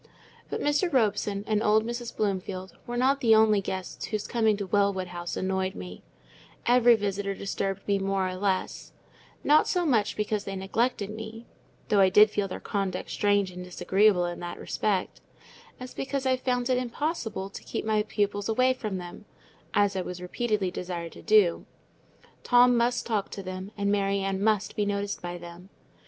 But Mr. Robson and old Mrs. Bloomfield were not the only guests whose coming to Wellwood House annoyed me; every visitor disturbed me more or less; not so much because they neglected me (though I did feel their conduct strange and disagreeable in that respect), as because I found it impossible to keep my pupils away from them, as I was repeatedly desired to do: Tom must talk to them, and Mary Ann must be noticed by them.